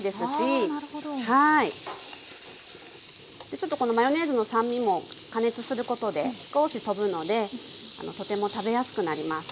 でちょっとこのマヨネーズの酸味も加熱することで少しとぶのでとても食べやすくなります。